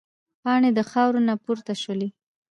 پاڼې د خاورو نه پورته شولې.